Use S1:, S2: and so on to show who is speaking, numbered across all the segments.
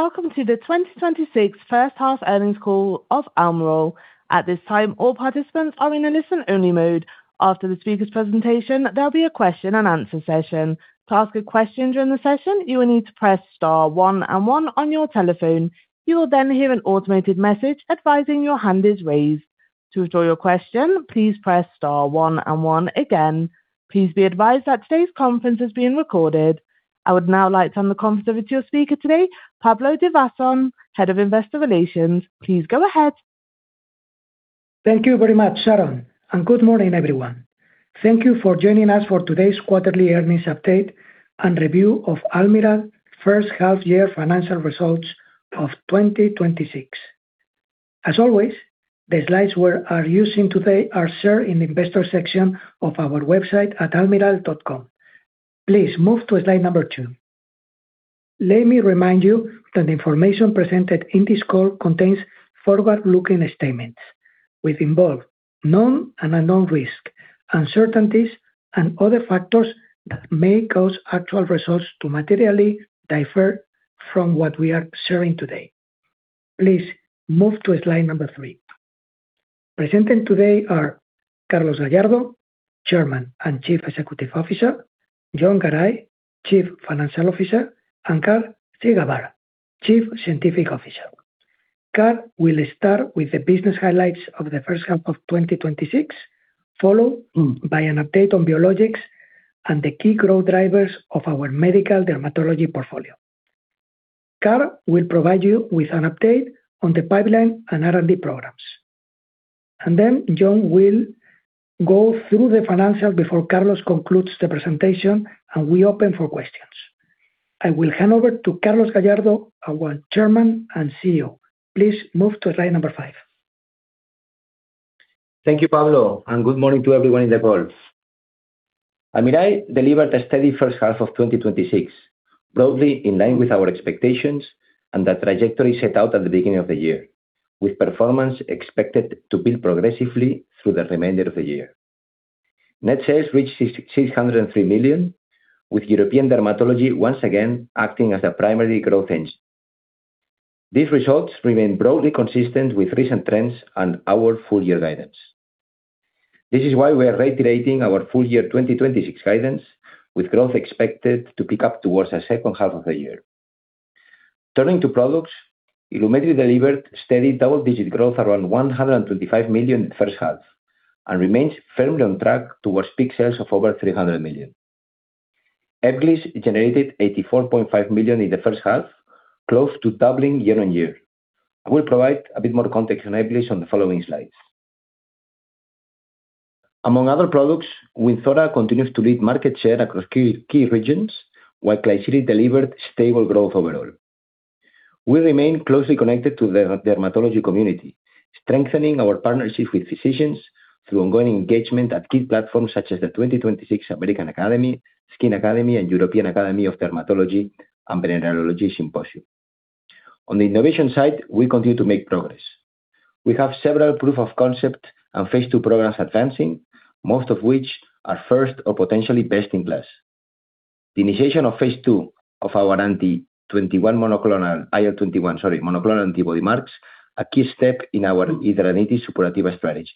S1: Welcome to the 2026 first-half earnings call of Almirall. At this time, all participants are in a listen-only mode. After the speaker's presentation, there will be a question and answer session. To ask a question during the session, you will need to press star one and one on your telephone. You will then hear an automated message advising your hand is raised. To withdraw your question, please press star one and one again. Please be advised that today's conference is being recorded. I would now like to hand the conference over to your speaker today, Pablo Divasson, Head of Investor Relations. Please go ahead.
S2: Thank you very much, Sharon, and good morning, everyone. Thank you for joining us for today's quarterly earnings update and review of Almirall first half-year financial results of 2026. As always, the slides we are using today are shared in the investor section of our website at almirall.com. Please move to slide number two. Let me remind you that the information presented in this call contains forward-looking statements, which involve known and unknown risks, uncertainties, and other factors that may cause actual results to materially differ from what we are sharing today. Please move to slide number three. Presenting today are Carlos Gallardo, Chairman and Chief Executive Officer, Jon Garay, Chief Financial Officer, and Karl Ziegelbauer, Chief Scientific Officer. Karl will start with the business highlights of the first half of 2026, followed by an update on biologics and the key growth drivers of our medical dermatology portfolio. Karl will provide you with an update on the pipeline and R&D programs. Jon will go through the financials before Carlos concludes the presentation, and we open for questions. I will hand over to Carlos Gallardo, our Chairman and CEO. Please move to slide number five.
S3: Thank you, Pablo, and good morning to everyone in the call. Almirall delivered a steady first half of 2026, broadly in line with our expectations and the trajectory set out at the beginning of the year, with performance expected to build progressively through the remainder of the year. Net sales reached 603 million, with European dermatology once again acting as a primary growth engine. These results remain broadly consistent with recent trends and our full-year 2026 guidance. This is why we are reiterating our full-year 2026 guidance, with growth expected to pick up towards the second half of the year. Turning to products, Ilumetri delivered steady double-digit growth around 125 million in the first half and remains firmly on track towards peak sales of over 300 million. Ebglyss generated 84.5 million in the first half, close to doubling year on year. I will provide a bit more context on Ebglyss on the following slides. Among other products, Wynzora continues to lead market share across key regions, while Klisyri delivered stable growth overall. We remain closely connected to the dermatology community, strengthening our partnerships with physicians through ongoing engagement at key platforms such as the 2026 American Academy, Skin Academy, and European Academy of Dermatology and Venereology Symposium. On the innovation side, we continue to make progress. We have several proof of concept and phase II programs advancing, most of which are first or potentially best-in-class. The initiation of phase II of our IL-21 monoclonal antibody marks a key step in our immunotherapy supportive strategy.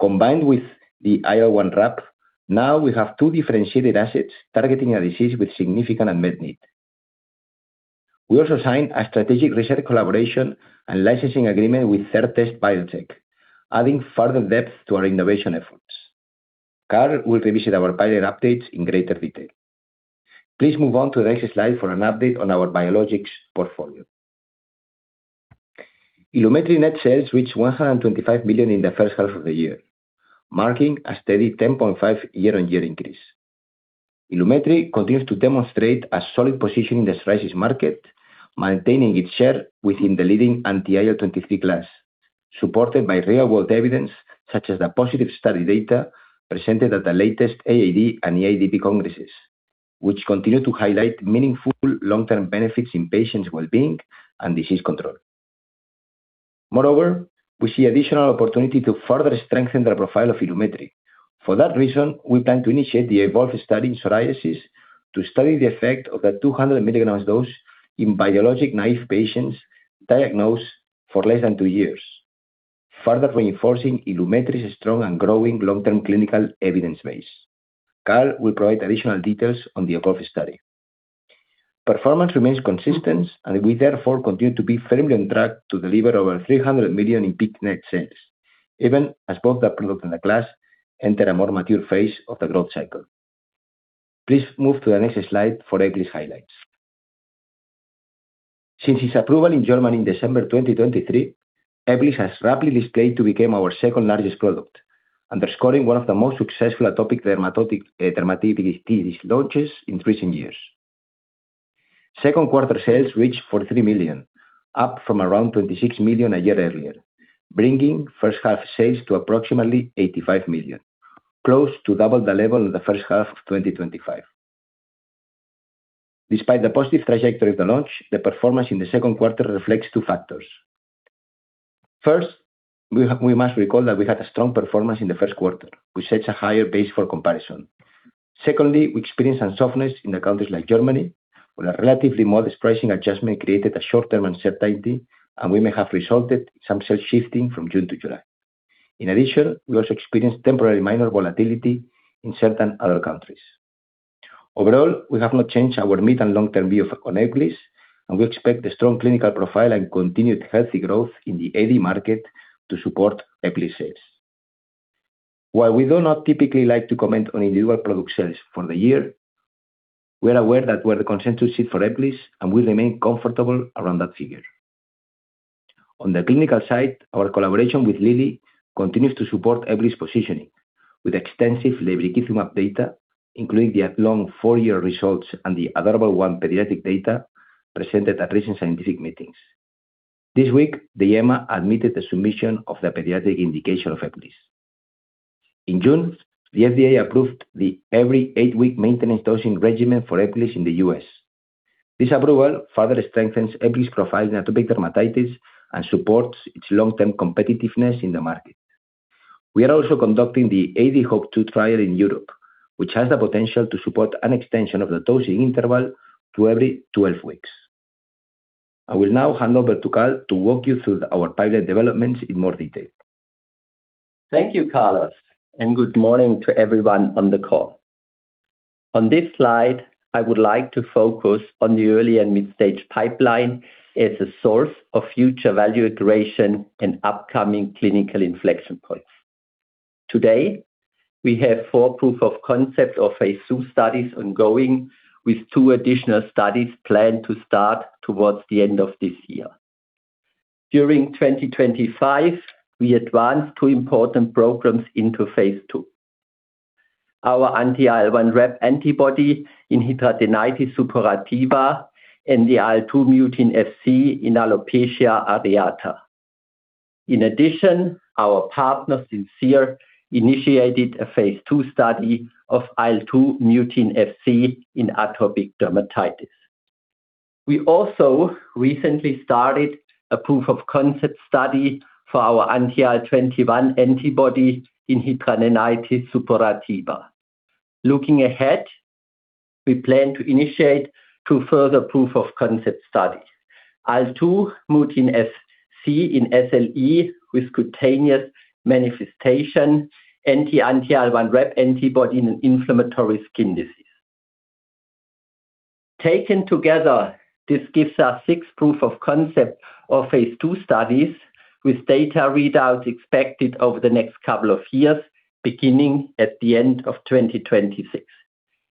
S3: Combined with the IL-1 trap, now we have two differentiated assets targeting a disease with significant unmet need. We also signed a strategic research collaboration and licensing agreement with Certest Biotec, adding further depth to our innovation efforts. Karl will revisit our pipeline updates in greater detail. Please move on to the next slide for an update on our biologic's portfolio. Ilumetri net sales reached 125 million in the first half of the year, marking a steady 10.5% year-on-year increase. Ilumetri continues to demonstrate a solid position in the psoriasis market, maintaining its share within the leading anti-IL-23 class, supported by real-world evidence such as the positive study data presented at the latest AAD and EADV congresses, which continue to highlight meaningful long-term benefits in patients' well-being and disease control. Moreover, we see additional opportunity to further strengthen the profile of Ilumetri. For that reason, we plan to initiate the EVOLVE study in psoriasis to study the effect of a 200 mg dose in biologic-naive patients diagnosed for less than two years, further reinforcing Ilumetri's strong and growing long-term clinical evidence base. Karl will provide additional details on the above study. Performance remains consistent, and we therefore continue to be firmly on track to deliver over 300 million in peak net sales, even as both the products and the class enter a more mature phase of the growth cycle. Please move to the next slide for Ebglyss highlights. Since its approval in Germany in December 2023, Ebglyss has rapidly displayed to become our second-largest product, underscoring one of the most successful atopic dermatitis launches in recent years. Second quarter sales reached 43 million, up from around 26 million a year earlier, bringing first half sales to approximately 85 million, close to double the level in the first half of 2025. Despite the positive trajectory of the launch, the performance in the second quarter reflects two factors. First, we must recall that we had a strong performance in the first quarter, which sets a higher base for comparison. Secondly, we experienced some softness in the countries like Germany, where a relatively modest pricing adjustment created a short-term uncertainty, and we may have resulted in some sales shifting from June to July. In addition, we also experienced temporary minor volatility in certain other countries. Overall, we have not changed our mid- and long-term view on Ebglyss, and we expect the strong clinical profile and continued healthy growth in the AD market to support Ebglyss sales. While we do not typically like to comment on individual product sales for the year, we are aware that we are the consensus for Ebglyss, and we remain comfortable around that figure. On the clinical side, our collaboration with Eli Lilly continues to support Ebglyss positioning with extensive lebrikizumab data, including the long four-year results and the ADorable-1 pediatric data presented at recent scientific meetings. This week, the EMA admitted the submission of the pediatric indication of Ebglyss. In June, the FDA approved the every eight-week maintenance dosing regimen for Ebglyss in the U.S. This approval further strengthens Ebglyss profile in atopic dermatitis and supports its long-term competitiveness in the market. We are also conducting the ADhope 2 trial in Europe, which has the potential to support an extension of the dosing interval to every 12 weeks. I will now hand over to Karl to walk you through our pipeline developments in more detail.
S4: Thank you, Carlos, and good morning to everyone on the call. On this slide, I would like to focus on the early and mid-stage pipeline as a source of future value duration and upcoming clinical inflection points. Today, we have four proof-of-concept of phase II studies ongoing, with two additional studies planned to start towards the end of this year. During 2025, we advanced two important programs into phase II. Our anti-IL-1RAP antibody in hidradenitis suppurativa and the IL-2 mutant Fc in alopecia areata. In addition, our partner, Simcere, initiated a phase II study of IL-2 mutant Fc in atopic dermatitis. We also recently started a proof-of-concept study for our anti-IL-21 antibody in hidradenitis suppurativa. Looking ahead, we plan to initiate two further proof-of-concept studies. IL-2 mutant Fc in SLE with cutaneous manifestation, and the anti-IL-1RAP antibody in an inflammatory skin disease. Taken together, this gives us six proof-of-concept of phase II studies with data readouts expected over the next couple of years, beginning at the end of 2026.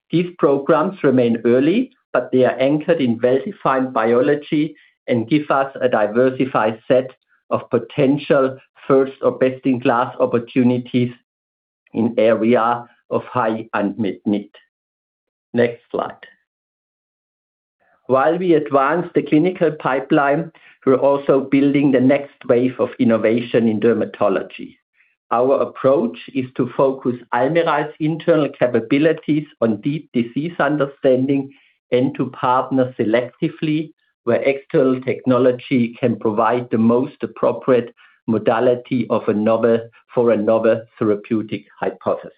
S4: These programs remain early, but they are anchored in well-defined biology and give us a diversified set of potential first or best-in-class opportunities in area of high unmet need. Next slide. While we advance the clinical pipeline, we're also building the next wave of innovation in dermatology. Our approach is to focus Almirall's internal capabilities on deep disease understanding and to partner selectively where external technology can provide the most appropriate modality for a novel therapeutic hypothesis.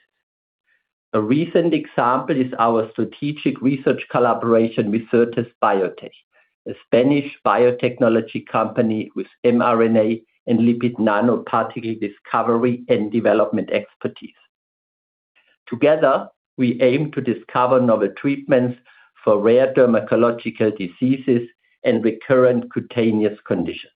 S4: A recent example is our strategic research collaboration with Certest Biotec, a Spanish biotechnology company with mRNA and lipid nanoparticle discovery and development expertise. Together, we aim to discover novel treatments for rare dermatological diseases and recurrent cutaneous conditions.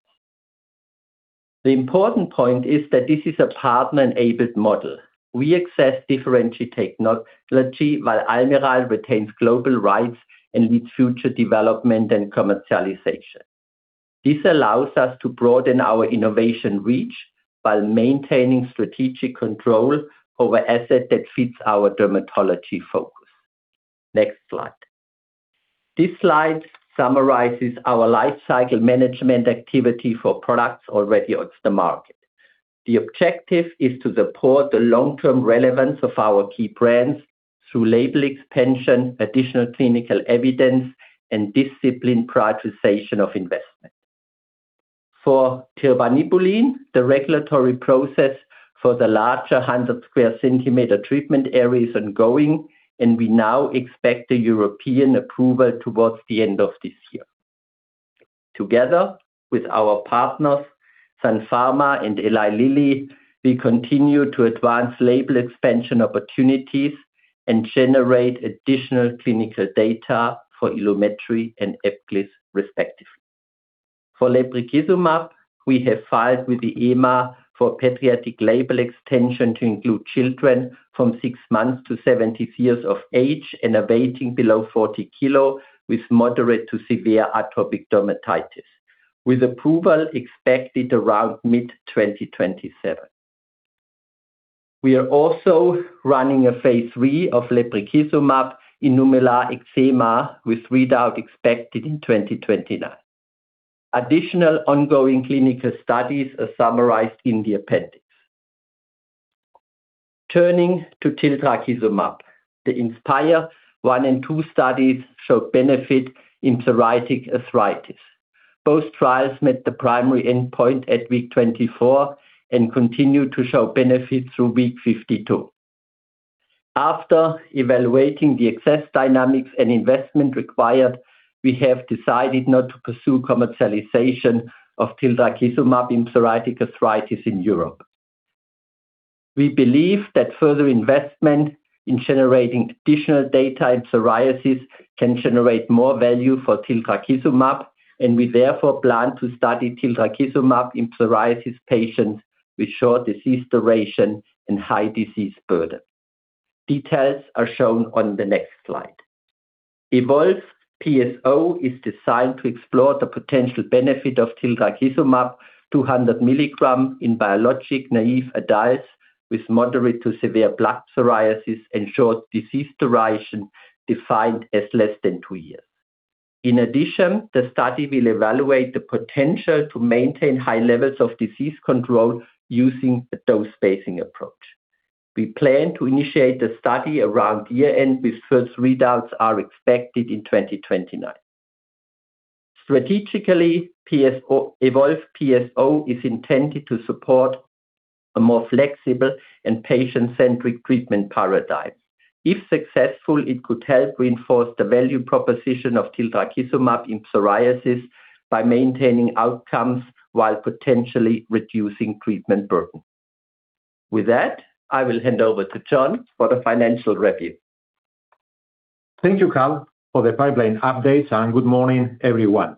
S4: The important point is that this is a partner-enabled model. We access differentiated technology while Almirall retains global rights and leads future development and commercialization. This allows us to broaden our innovation reach while maintaining strategic control over asset that fits our dermatology focus. Next slide. This slide summarizes our life cycle management activity for products already on the market. The objective is to support the long-term relevance of our key brands through label expansion, additional clinical evidence, and disciplined prioritization of investment. For tirbanibulin, the regulatory process for the larger 100 sq cm treatment area is ongoing, and we now expect the European approval towards the end of this year. Together with our partners, Sun Pharma and Eli Lilly, we continue to advance label expansion opportunities and generate additional clinical data for Ilumetri and Ebglyss respectively. For lebrikizumab, we have filed with the EMA for pediatric label extension to include children from six months to 17 years of age and a weighing below 40 kilo with moderate to severe atopic dermatitis, with approval expected around mid-2027. We are also running a phase III of lebrikizumab in nummular eczema with readout expected in 2029. Additional ongoing clinical studies are summarized in the appendix. Turning to tildrakizumab. The INSPIRE 1 and 2 studies showed benefit in psoriatic arthritis. Both trials met the primary endpoint at week 24 and continued to show benefit through week 52. After evaluating the excess dynamics and investment required, we have decided not to pursue commercialization of tildrakizumab in psoriatic arthritis in Europe. We believe that further investment in generating additional data in psoriasis can generate more value for tildrakizumab, and we therefore plan to study tildrakizumab in psoriasis patients with short disease duration and high disease burden. Details are shown on the next slide. EVOLVE PSO is designed to explore the potential benefit of tildrakizumab 200 mg in biologic-naive adults with moderate to severe plaque psoriasis and short disease duration defined as less than two years. In addition, the study will evaluate the potential to maintain high levels of disease control using a dose-spacing approach. We plan to initiate the study around year-end with first readouts are expected in 2029. Strategically, EVOLVE PSO is intended to support a more flexible and patient-centric treatment paradigm. If successful, it could help reinforce the value proposition of tildrakizumab in psoriasis by maintaining outcomes while potentially reducing treatment burden. With that, I will hand over to Jon for the financial review.
S5: Thank you, Karl, for the pipeline updates. Good morning, everyone.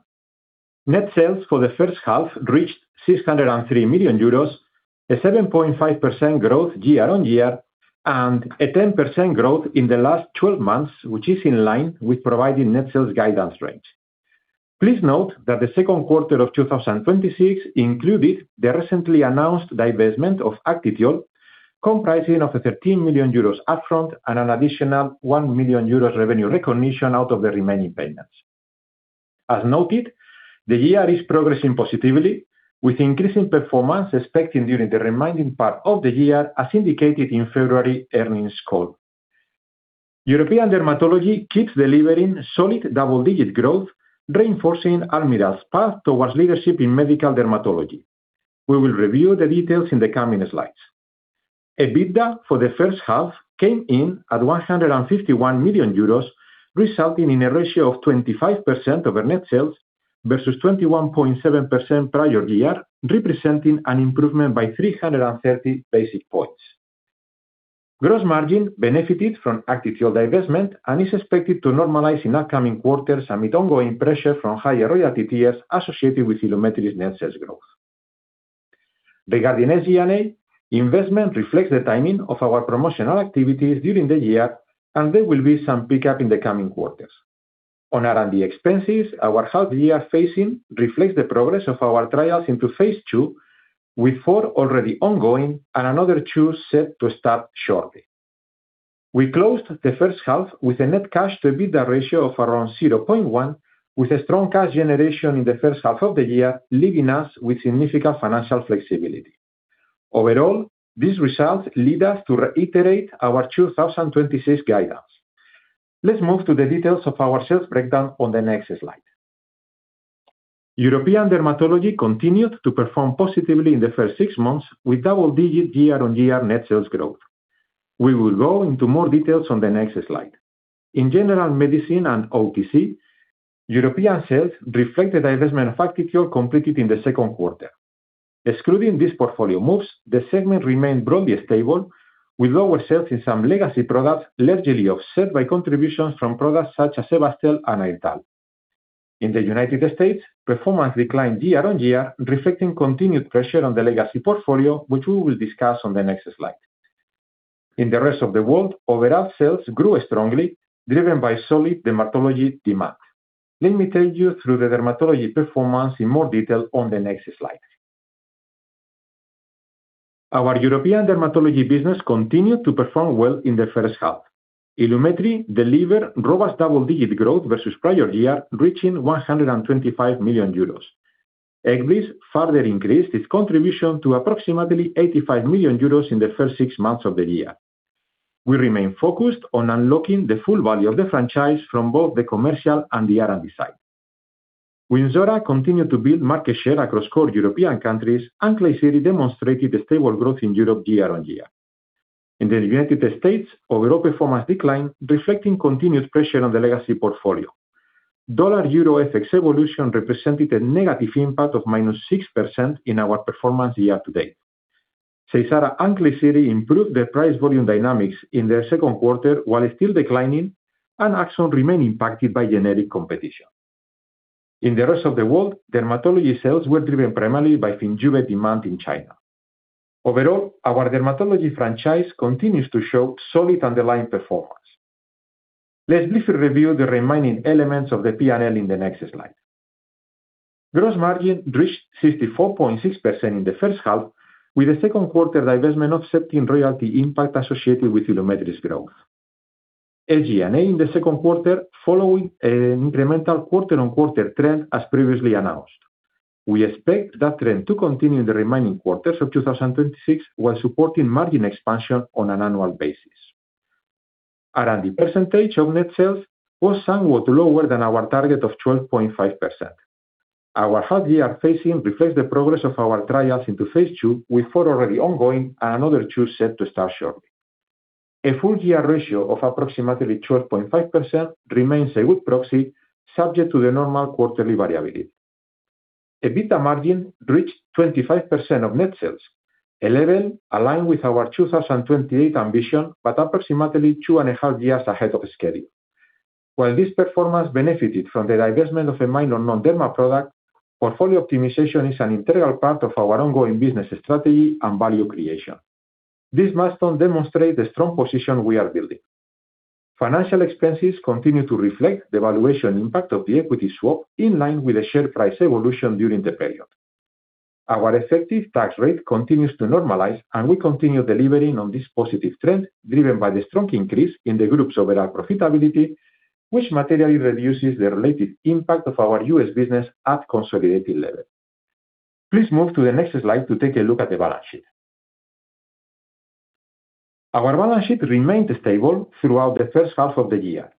S5: Net sales for the first half reached 603 million euros, a 7.5% growth year-on-year, a 10% growth in the last 12 months, which is in line with providing net sales guidance range. Please note that the second quarter of 2026 included the recently announced divestment of Actithiol, comprising of a 13 million euros upfront and an additional 1 million euros revenue recognition out of the remaining payments. As noted, the year is progressing positively, with increasing performance expected during the remaining part of the year, as indicated in February earnings call. European dermatology keeps delivering solid double-digit growth, reinforcing Almirall's path towards leadership in medical dermatology. We will review the details in the coming slides. EBITDA for the first half came in at 151 million euros, resulting in a ratio of 25% over net sales versus 21.7% prior year, representing an improvement by 330 basis points. Gross margin benefited from Actithiol divestment and is expected to normalize in upcoming quarters amid ongoing pressure from higher royalty tiers associated with Ilumetri's net sales growth. Regarding SG&A, investment reflects the timing of our promotional activities during the year. There will be some pickup in the coming quarters. On R&D expenses, our half-year phasing reflects the progress of our trials into phase II, with four already ongoing and another two set to start shortly. We closed the first half with a net cash to EBITDA ratio of around 0.1%, with a strong cash generation in the first half of the year, leaving us with significant financial flexibility. Overall, these results lead us to reiterate our 2026 guidance. Let's move to the details of our sales breakdown on the next slide. European dermatology continued to perform positively in the first six months, with double-digit year-on-year net sales growth. We will go into more details on the next slide. In general medicine and OTC, European sales reflect the divestment of Actithiol completed in the second quarter. Excluding these portfolio moves, the segment remained broadly stable, with lower sales in some legacy products, largely offset by contributions from products such as Ebastel and Airtal. In the United States, performance declined year-on-year, reflecting continued pressure on the legacy portfolio, which we will discuss on the next slide. In the rest of the world, overall sales grew strongly, driven by solid dermatology demand. Let me take you through the dermatology performance in more detail on the next slide. Our European dermatology business continued to perform well in the first half. Ilumetri delivered robust double-digit growth versus prior year, reaching 125 million euros. Ebglyss further increased its contribution to approximately 85 million euros in the first six months of the year. We remain focused on unlocking the full value of the franchise from both the commercial and the R&D side. Wynzora continued to build market share across core European countries. Klisyri demonstrated stable growth in Europe year-on-year. In the United States, overall performance declined, reflecting continued pressure on the legacy portfolio. Dollar-euro FX evolution represented a negative impact of minus 6% in our performance year-to-date. Seysara and Klisyri improved their price-volume dynamics in their second quarter, while still declining. Aczone remained impacted by generic competition. In the rest of the world, dermatology sales were driven primarily by Finjuve demand in China. Overall, our dermatology franchise continues to show solid underlying performance. Let's briefly review the remaining elements of the P&L in the next slide. Gross margin reached 64.6% in the first half, with the second quarter divestment accepting royalty impact associated with Ilumetri's growth. SG&A in the second quarter following an incremental quarter-on-quarter trend, as previously announced. We expect that trend to continue in the remaining quarters of 2026, while supporting margin expansion on an annual basis. R&D percentage of net sales was somewhat lower than our target of 12.5%. Our half-year phasing reflects the progress of our trials into phase II, with four already ongoing and another two set to start shortly. A full-year ratio of approximately 12.5% remains a good proxy, subject to the normal quarterly variability. EBITDA margin reached 25% of net sales, a level aligned with our 2028 ambition, but approximately two and a half years ahead of schedule. While this performance benefited from the divestment of a minor non-derma product, portfolio optimization is an integral part of our ongoing business strategy and value creation. This milestone demonstrates the strong position we are building. Financial expenses continue to reflect the valuation impact of the equity swap, in line with the share price evolution during the period. Our effective tax rate continues to normalize. We continue delivering on this positive trend, driven by the strong increase in the group's overall profitability, which materially reduces the related impact of our U.S. business at consolidated level. Please move to the next slide to take a look at the balance sheet. Our balance sheet remained stable throughout the first half of the year.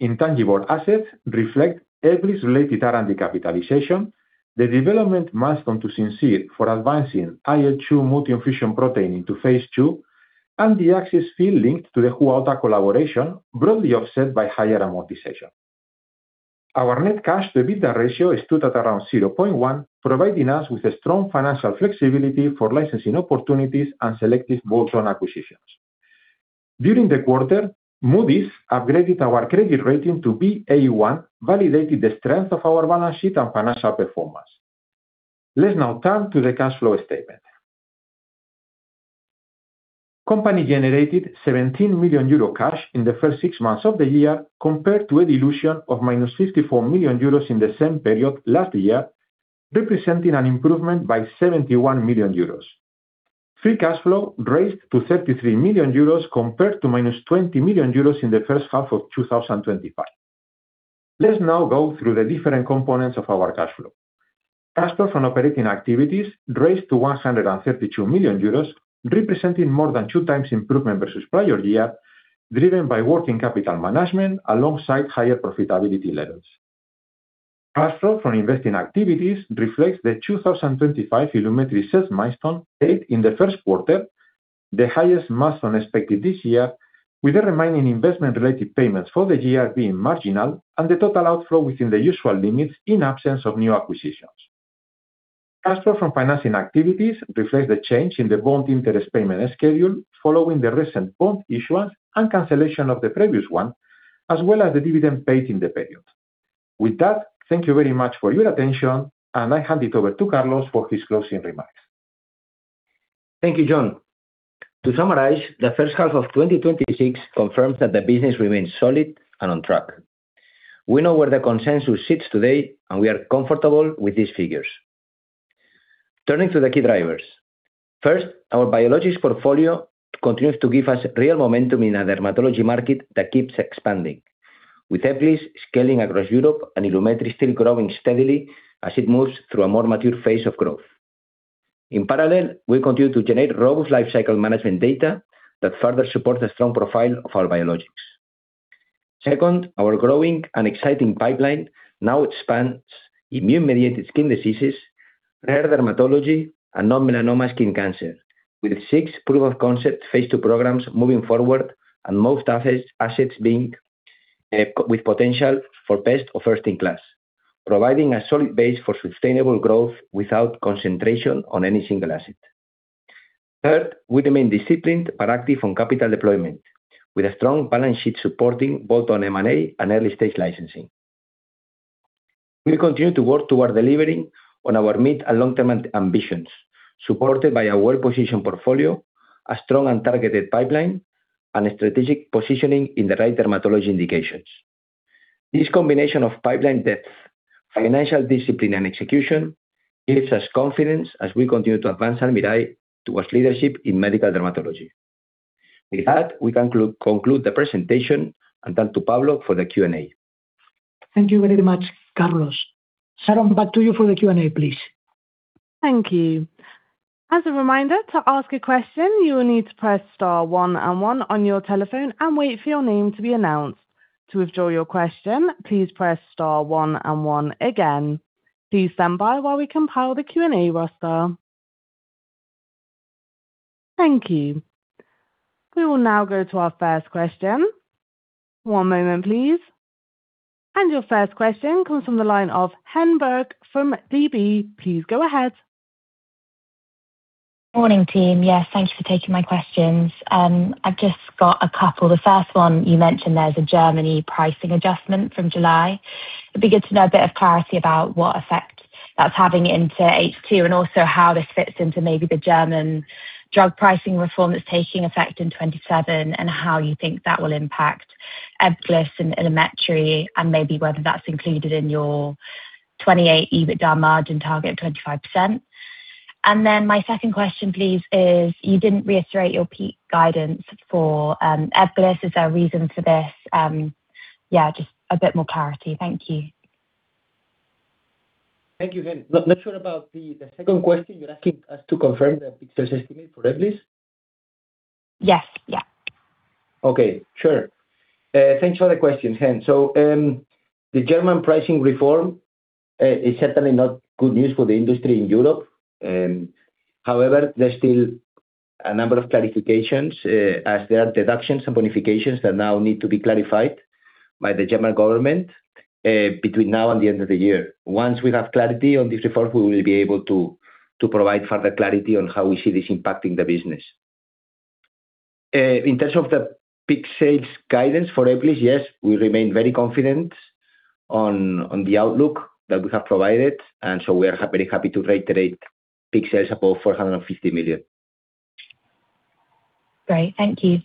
S5: Intangible assets reflect Ebglyss-related R&D capitalization, the development milestone to Simcere for advancing IL-2 mutein fusion protein into phase II, and the access fee linked to the Huaota collaboration, broadly offset by higher amortization. Our net cash to EBITDA ratio stood at around 0.1%, providing us with strong financial flexibility for licensing opportunities and selective bolt-on acquisitions. During the quarter, Moody's upgraded our credit rating to Ba1, validating the strength of our balance sheet and financial performance. Let's now turn to the cash flow statement. The company generated 17 million euro cash in the first six months of the year, compared to a dilution of minus 54 million euros in the same period last year, representing an improvement by 71 million euros. Free cash flow rose to 33 million euros compared to minus 20 million euros in the first half of 2025. Let's now go through the different components of our cash flow. Cash flow from operating activities rose to 132 million euros, representing more than two times improvement versus prior year, driven by working capital management alongside higher profitability levels. Cash flow from investing activities reflects the 2025 Ilumetri sales milestone paid in the first quarter, the highest milestone expected this year, with the remaining investment-related payments for the year being marginal and the total outflow within the usual limits in absence of new acquisitions. Cash flow from financing activities reflects the change in the bond interest payment schedule following the recent bond issuance and cancellation of the previous one, as well as the dividend paid in the period. With that, thank you very much for your attention. I hand it over to Carlos for his closing remarks.
S3: Thank you, Jon. To summarize, the first half of 2026 confirms that the business remains solid and on track. We know where the consensus sits today, we are comfortable with these figures. Turning to the key drivers. First, our biologics portfolio continues to give us real momentum in a dermatology market that keeps expanding, with Ebglyss scaling across Europe and Ilumetri still growing steadily as it moves through a more mature phase of growth. In parallel, we continue to generate robust life cycle management data that further support the strong profile of our biologics. Second, our growing and exciting pipeline now expands immune-mediated skin diseases, rare dermatology, and non-melanoma skin cancer, with six proof-of-concept phase II programs moving forward and most assets being with potential for best-or-first-in-class, providing a solid base for sustainable growth without concentration on any single asset. Third, we remain disciplined but active on capital deployment, with a strong balance sheet supporting bolt-on M&A and early-stage licensing. We continue to work toward delivering on our mid- and long-term ambitions, supported by a well-positioned portfolio, a strong and targeted pipeline, and a strategic positioning in the right dermatology indications. This combination of pipeline depth, financial discipline, and execution gives us confidence as we continue to advance Almirall towards leadership in medical dermatology. With that, we conclude the presentation, turn to Pablo for the Q&A.
S2: Thank you very much, Carlos. Sharon, back to you for the Q&A, please.
S1: Thank you. As a reminder, to ask a question, you will need to press star one and one on your telephone and wait for your name to be announced. To withdraw your question, please press star one and one again. Please stand by while we compile the Q&A roster. Thank you. We will now go to our first question. One moment please. Your first question comes from the line of Henberg from DB. Please go ahead.
S6: Morning, team. Yes, thank you for taking my questions. I've just got a couple. The first one, you mentioned there's a Germany pricing adjustment from July. It'd be good to know a bit of clarity about what effect that's having into H2, how this fits into maybe the German drug pricing reform that's taking effect in 2027, how you think that will impact Ebglyss and Ilumetri, whether that's included in your 2028 EBITDA margin target of 25%. My second question please is, you didn't reiterate your peak guidance for Ebglyss. Is there a reason for this? Just a bit more clarity. Thank you.
S3: Thank you, Hen. Not sure about the second question. You're asking us to confirm the peak sales estimate for Ebglyss?
S6: Yes.
S3: Okay, sure. Thanks for the question, Hen. The German pricing reform is certainly not good news for the industry in Europe. However, there's still a number of clarifications, as there are deductions and bonifications that now need to be clarified by the German government between now and the end of the year. Once we have clarity on this report, we will be able to provide further clarity on how we see this impacting the business. In terms of the peak sales guidance for Ebglyss, yes, we remain very confident on the outlook that we have provided, we are very happy to reiterate peak sales above 450 million.
S6: Great. Thank you.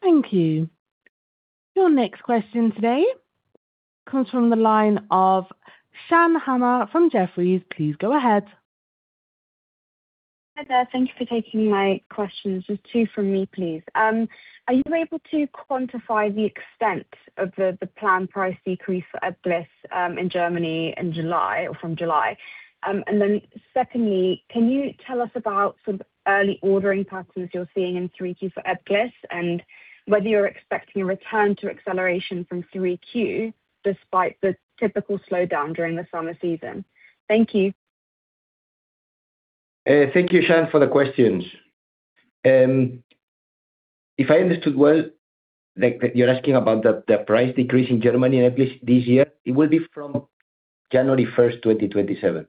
S1: Thank you. Your next question today comes from the line of Shan Hama from Jefferies. Please go ahead.
S7: Hi there. Thank you for taking my questions. There's two from me, please. Are you able to quantify the extent of the planned price decrease for Ebglyss in Germany in July or from July? Secondly, can you tell us about some early ordering patterns you're seeing in Q3 for Ebglyss, and whether you're expecting a return to acceleration from Q3 despite the typical slowdown during the summer season? Thank you.
S3: Thank you, Shan, for the questions. If I understood well, you're asking about the price decrease in Germany in Ebglyss this year? It will be from January 1st, 2027.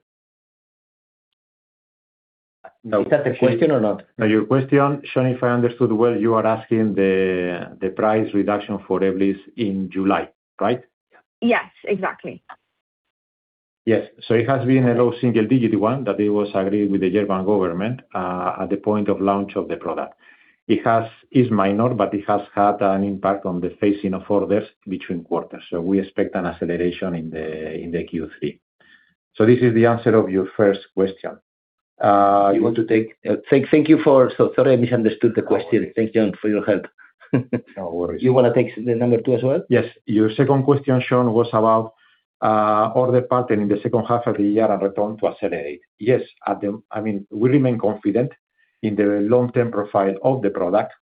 S3: Is that the question or not?
S5: No, your question, Shan, if I understood well, you are asking the price reduction for Ebglyss in July, right?
S7: Yes, exactly.
S5: Yes. It has been a low single-digit one that it was agreed with the German government at the point of launch of the product. It is minor, but it has had an impact on the phasing of orders between quarters. We expect an acceleration in the Q3. This is the answer of your first question.
S3: Thank you for. So sorry I misunderstood the question. Thank you for your help.
S5: No worries.
S3: You want to take the number two as well?
S5: Yes. Your second question, Shan, was about order pattern in the second half of the year and return to accelerate. Yes. We remain confident in the long-term profile of the product.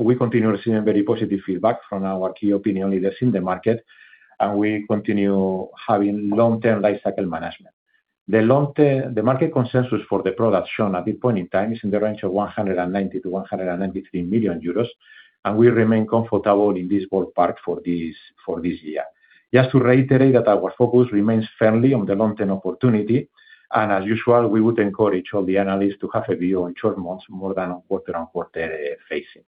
S5: We continue receiving very positive feedback from our key opinion leaders in the market, and we continue having long-term lifecycle management. The market consensus for the product, Shan, at this point in time, is in the range of 190 million-193 million euros, and we remain comfortable in this ballpark for this year. Just to reiterate that our focus remains firmly on the long-term opportunity, and as usual, we would encourage all the analysts to have a view on short months more than on quarter-on-quarter phasing.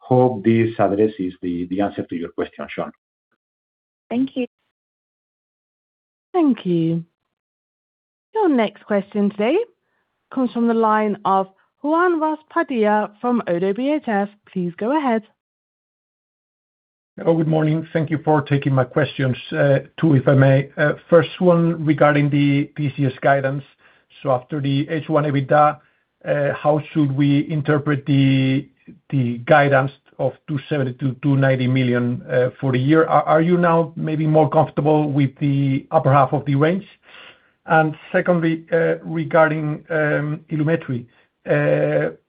S5: Hope this addresses the answer to your question, Shan.
S7: Thank you.
S1: Thank you. Your next question today comes from the line of Juan Ros Padilla from Oddo BHF. Please go ahead.
S8: Hello. Good morning. Thank you for taking my questions. Two, if I may. First one regarding the PCS guidance. After the H1 EBITDA, how should we interpret the guidance of 270 million-290 million for the year? Are you now maybe more comfortable with the upper half of the range? Secondly, regarding Ilumetri.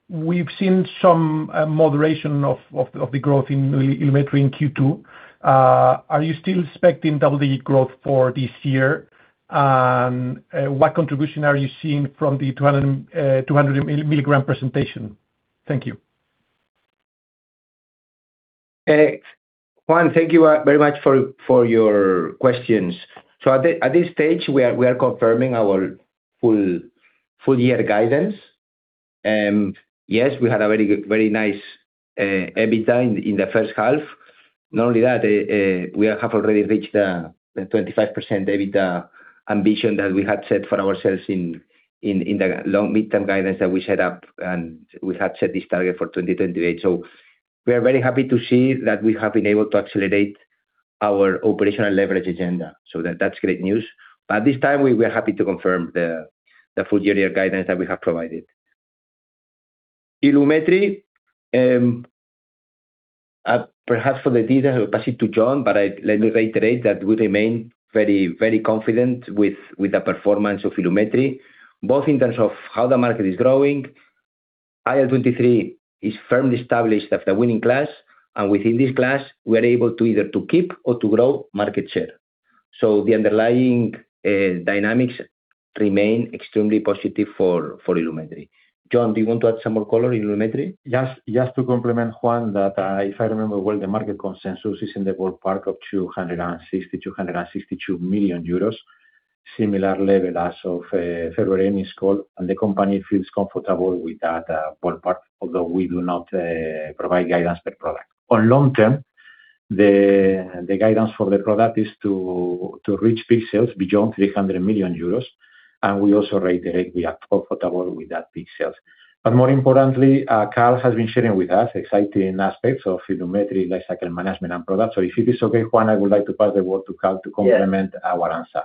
S8: We've seen some moderation of the growth in Ilumetri in Q2. Are you still expecting double-digit growth for this year? What contribution are you seeing from the 200 mg presentation? Thank you.
S3: Juan, thank you very much for your questions. At this stage, we are confirming our full year guidance. Yes, we had a very nice EBITDA in the first half. Not only that, we have already reached the 25% EBITDA ambition that we had set for ourselves in the long midterm guidance that we set up, and we had set this target for 2028. We are very happy to see that we have been able to accelerate our operational leverage agenda. That's great news. At this time, we were happy to confirm the full year guidance that we have provided. Ilumetri, perhaps for the detail, I will pass it to Jon. Let me reiterate that we remain very confident with the performance of Ilumetri, both in terms of how the market is growing. IL-23 is firmly established as the winning class, and within this class, we are able either to keep or to grow market share. The underlying dynamics remain extremely positive for Ilumetri. Jon, do you want to add some more color in Ilumetri?
S5: Yes. Just to complement Juan, that if I remember well, the market consensus is in the ballpark of 260 million, 262 million euros, similar level as of February Invest call, and the company feels comfortable with that ballpark, although we do not provide guidance per product. On long term, the guidance for the product is to reach peak sales beyond 300 million euros, and we also reiterate we are comfortable with those peak sales. More importantly, Karl has been sharing with us exciting aspects of Ilumetri lifecycle management and product. If it is okay, Juan, I would like to pass the word to Karl to complement our answer.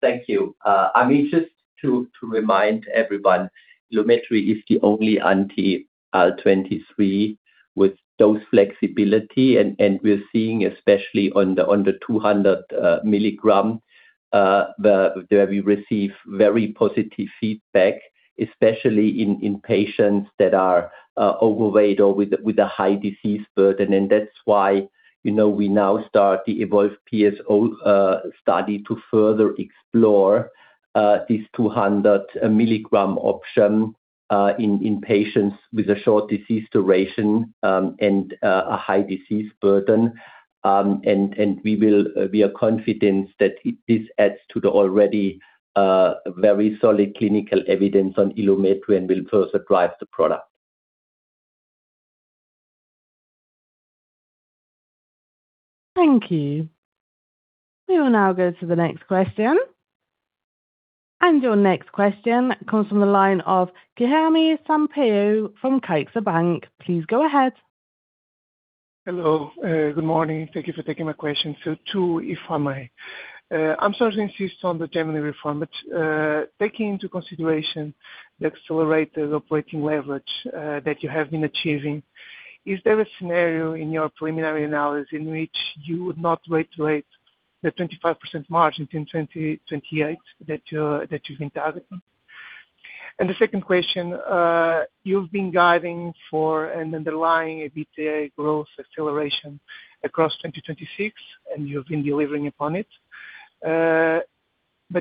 S4: Thank you. I mean, just to remind everyone, Ilumetri is the only anti-IL-23 with dose flexibility, and we're seeing, especially on the 200 mg, that we receive very positive feedback, especially in patients that are overweight or with a high disease burden. That is why we now start the EVOLVE PSO study to further explore this 200 mg option in patients with a short disease duration and a high disease burden. We are confident that this adds to the already very solid clinical evidence on Ilumetri and will further drive the product.
S1: Thank you. We will now go to the next question. Your next question comes from the line of Guilherme Sampaio from CaixaBank. Please go ahead.
S9: Hello, good morning. Thank you for taking my question. Two, if I may. I am sorry to insist on the Germany reform, but taking into consideration the accelerated operating leverage that you have been achieving, is there a scenario in your preliminary analysis in which you would not wait to hit the 25% margin in 2028 that you've been targeting? The second question, you've been guiding for an underlying EBITDA growth acceleration across 2026, and you've been delivering upon it.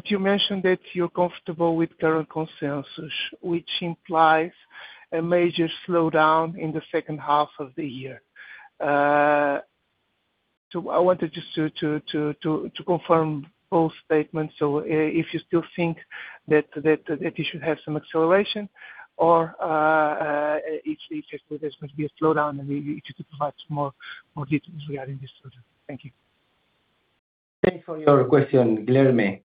S9: You mentioned that you're comfortable with current consensus, which implies a major slowdown in the second half of the year. I wanted just to confirm both statements. If you still think that you should have some acceleration or if there's going to be a slowdown and if you could provide some more details regarding this. Thank you.
S3: Thanks for your question, Guilherme.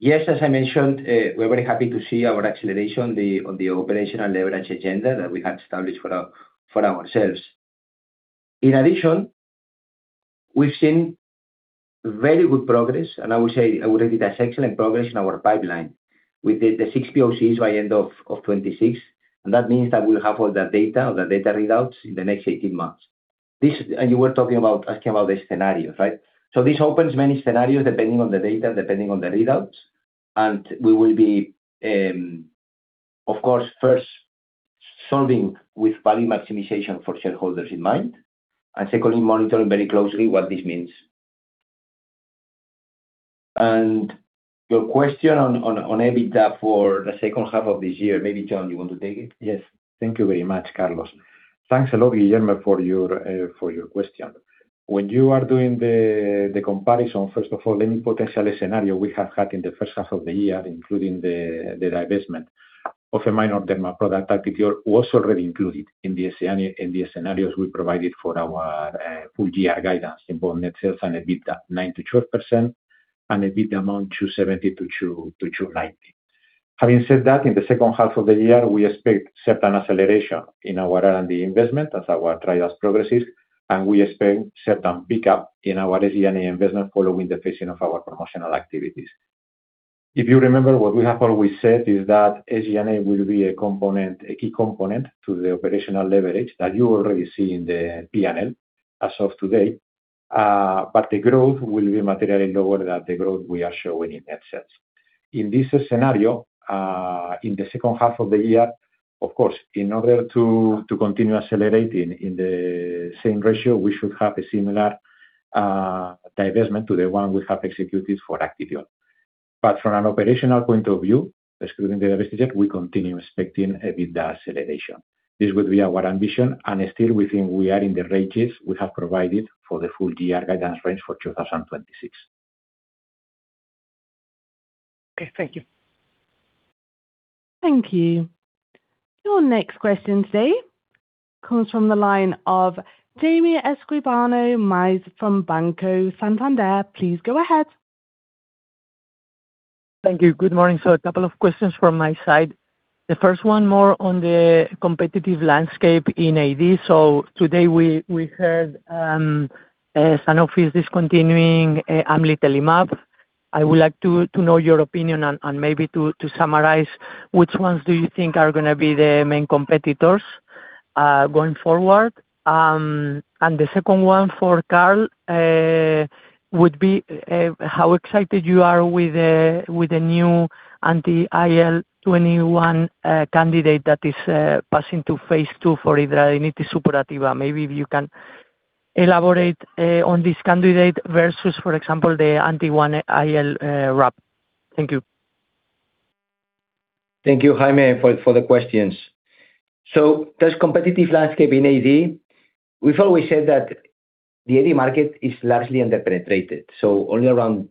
S3: Yes, as I mentioned, we're very happy to see our acceleration on the operational leverage agenda that we have established for ourselves. In addition, we've seen very good progress, I would argue that's excellent progress in our pipeline. We did the six POCs by end of 2026, that means that we'll have all the data or the data readouts in the next 18 months. You were asking about the scenarios, right? This opens many scenarios depending on the data, depending on the readouts, we will be, of course, first solving with value maximization for shareholders in mind, secondly, monitoring very closely what this means. Your question on EBITDA for the second half of this year, maybe, Jon, you want to take it?
S5: Yes. Thank you very much, Carlos. Thanks a lot, Guilherme, for your question. When you are doing the comparison, first of all, any potential scenario we have had in the first half of the year, including the divestment of a minor derma product, Actithiol, was already included in the scenarios we provided for our full year guidance in both net sales and EBITDA, 9%-12%, and EBITDA amount 270 million-290 million. Having said that, in the second half of the year, we expect certain acceleration in our R&D investment as our trials progresses, and we expect certain pickup in our SG&A investment following the phasing of our promotional activities. If you remember, what we have always said is that SG&A will be a key component to the operational leverage that you already see in the P&L as of today, the growth will be materially lower than the growth we are showing in net sales. In this scenario, in the second half of the year, of course, in order to continue accelerating in the same ratio, we should have a similar divestment to the one we have executed for Actithiol. From an operational point of view, excluding the divestment, we continue expecting EBITDA acceleration. This will be our ambition, still we think we are in the ranges we have provided for the full year guidance range for 2026.
S9: Okay. Thank you.
S1: Thank you. Your next question today comes from the line of Jaime Escribano from Banco Santander. Please go ahead.
S10: Thank you. Good morning. A couple of questions from my side. The first one more on the competitive landscape in AD. Today we heard Sanofi is discontinuing amlitelimab. I would like to know your opinion and maybe to summarize which ones do you think are going to be the main competitors going forward. The second one for Karl would be how excited you are with the new anti-IL-21 candidate that is passing to phase II for hidradenitis suppurativa. Maybe if you can elaborate on this candidate versus, for example, the anti-IL-1RAP. Thank you.
S3: Thank you, Jaime, for the questions. This competitive landscape in AD, we've always said that the AD market is largely under-penetrated. Only around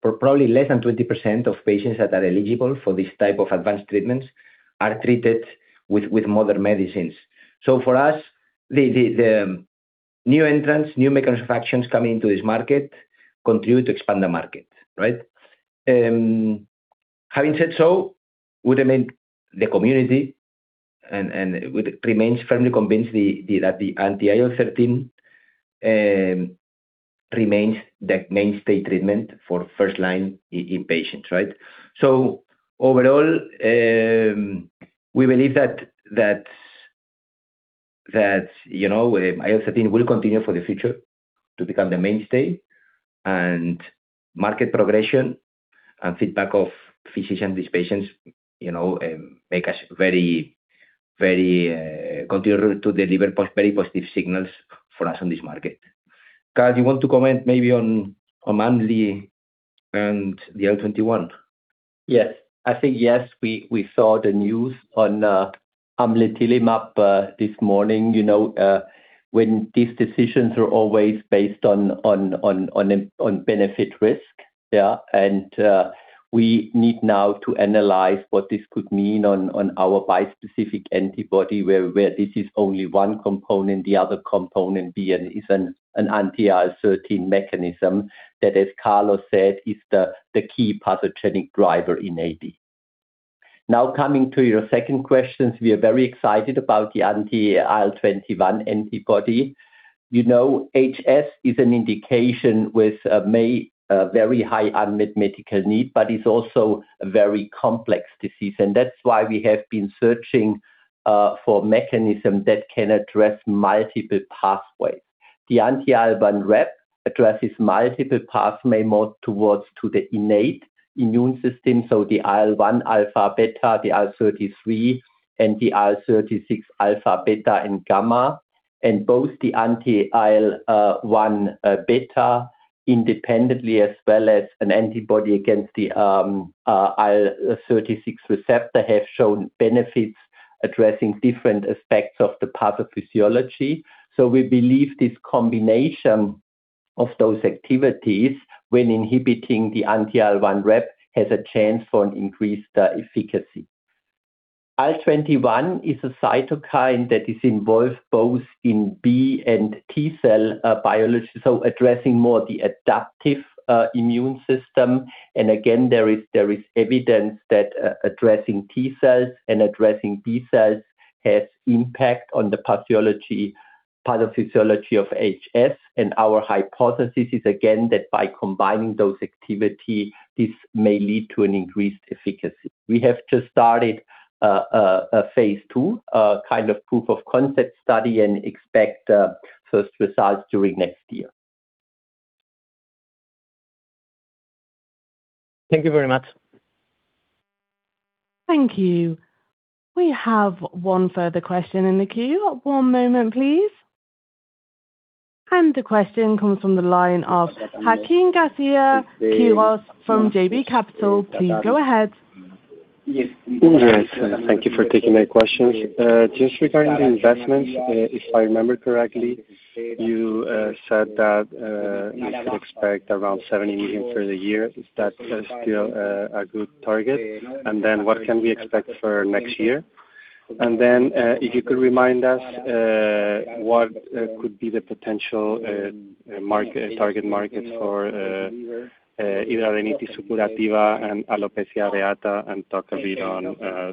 S3: for probably less than 20% of patients that are eligible for this type of advanced treatments are treated with modern medicines. For us, the new entrants, new manufacturers coming into this market continue to expand the market. Right. Within the community it remains firmly convinced that the anti-IL-13 remains the mainstay treatment for first line in patients. Right. Overall, we believe that IL-13 will continue for the future to become the mainstay, and market progression and feedback of physicians, these patients, continue to deliver very positive signals for us on this market. Karl, do you want to comment maybe on omalizumab and the IL-21?
S4: Yes. I think, yes, we saw the news on omalizumab this morning. These decisions are always based on benefit risk. We need now to analyze what this could mean on our bispecific antibody, where this is only one component. The other component, B, is an anti-IL-13 mechanism that, as Carlos said, is the key pathogenic driver in AD. Coming to your second questions, we are very excited about the anti-IL-21 antibody. You know, HS is an indication with a very high unmet medical need, but it's also a very complex disease. That's why we have been searching for mechanism that can address multiple pathways. The anti-IL-1RAP addresses multiple pathway more towards to the innate immune system, so the IL-1 alpha beta, the IL-33, and the IL-36 alpha, beta, and gamma. Both the anti-IL-1 beta independently, as well as an antibody against the IL-36 receptor, have shown benefits addressing different aspects of the pathophysiology. We believe this combination of those activities when inhibiting the anti-IL-1RAP has a chance for an increased efficacy. IL-21 is a cytokine that is involved both in B and T-cell biology, so addressing more the adaptive immune system. Again, there is evidence that addressing T-cells and addressing B-cells has impact on the pathophysiology of HS. Our hypothesis is, again, that by combining those activity, this may lead to an increased efficacy. We have just started a phase II, a kind of proof-of-concept study, and expect first results during next year.
S10: Thank you very much.
S1: Thank you. We have one further question in the queue. One moment, please. The question comes from the line of Joaquín García-Quirós from JB Capital. Please go ahead.
S11: Yes. Thank you for taking my questions. Regarding the investments, if I remember correctly, you said that you could expect around 70 million for the year. Is that still a good target? Then what can we expect for next year? Then, if you could remind us, what could be the potential target markets for hidradenitis suppurativa and alopecia areata, and talk a bit on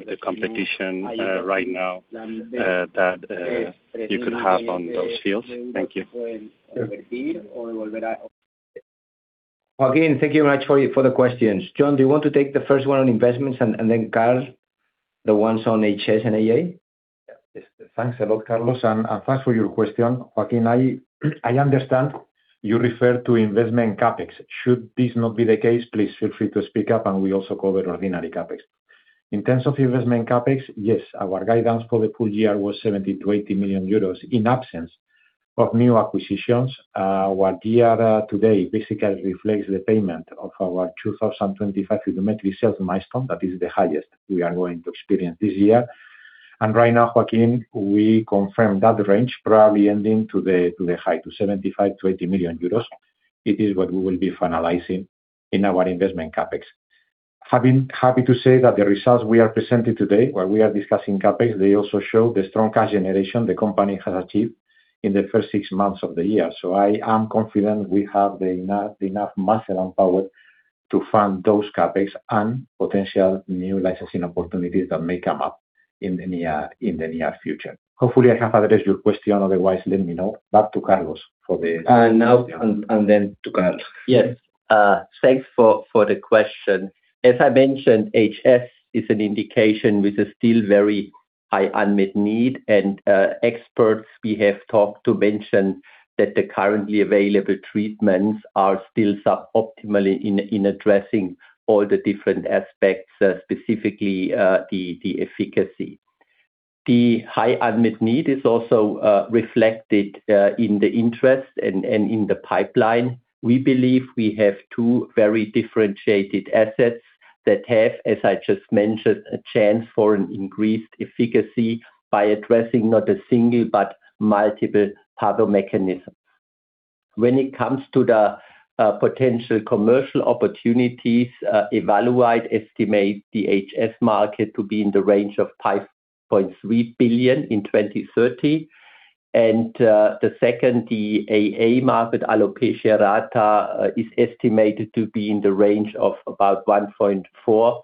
S11: the competition right now that you could have on those fields. Thank you.
S3: Joaquín, thank you very much for the questions. Jon, do you want to take the first one on investments and then Karl, the ones on HS and AA?
S5: Yes. Thanks a lot, Carlos, and thanks for your question. Joaquín, I understand you refer to investment CapEx. Should this not be the case, please feel free to speak up. We also call it ordinary CapEx. In terms of investment CapEx, yes, our guidance for the full year was 70 million-80 million euros in absence of new acquisitions. Our year-to-date basically reflects the payment of our 2025 Ilumetri sales milestone. That is the highest we are going to experience this year. Right now, Joaquín, we confirm that range probably ending to the high, to 75 million-80 million euros. It is what we will be finalizing in our investment CapEx. Happy to say that the results we are presenting today, where we are discussing CapEx, they also show the strong cash generation the company has achieved in the first six months of the year. I am confident we have enough muscle and power to fund those CapEx and potential new licensing opportunities that may come up in the near future. Hopefully, I have addressed your question, otherwise, let me know. Back to Carlos for the-
S3: Now, and then to Karl.
S4: Yes. Thanks for the question. As I mentioned, HS is an indication with a still very high unmet need. Experts we have talked to mention that the currently available treatments are still sub-optimally in addressing all the different aspects, specifically, the efficacy. The high unmet need is also reflected in the interest and in the pipeline. We believe we have two very differentiated assets that have, as I just mentioned, a chance for an increased efficacy by addressing not a single but multiple pathomechanisms. When it comes to the potential commercial opportunities, Evaluate Pharma estimate the HS market to be in the range of 5.3 billion in 2030. The second, the AA market, alopecia areata, is estimated to be in the range of about $1.4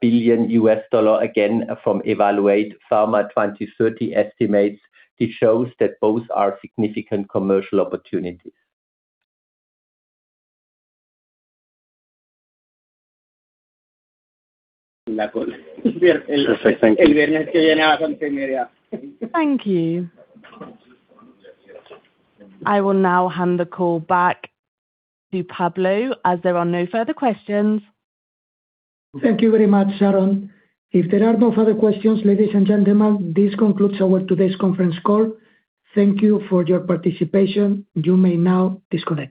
S4: billion, again, from Evaluate Pharma 2030 estimates. This shows that both are significant commercial opportunities.
S11: Perfect. Thank you.
S1: Thank you. I will now hand the call back to Pablo, as there are no further questions.
S2: Thank you very much, Sharon. If there are no further questions, ladies and gentlemen, this concludes our today's conference call. Thank you for your participation. You may now disconnect.